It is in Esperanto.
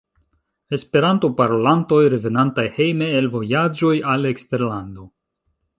Esperanto-parolantoj revenantaj hejme el vojaĝoj al eksterlando.